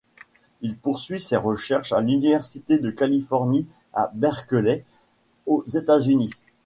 Il poursuit ses recherches à l'université de Californie à Berkeley, aux États-Unis.